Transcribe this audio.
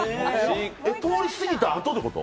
通りすぎたあとってこと？